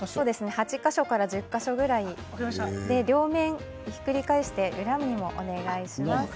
８か所から１０か所くらい両面ひっくり返して裏にもお願いします。